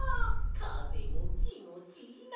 かぜもきもちいいな。